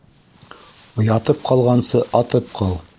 Ятып ҡалғансы, атып ҡал!